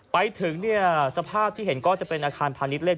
ไปถึงสภาพที่เห็นก็จะเป็นอาคารผ่านิดเลข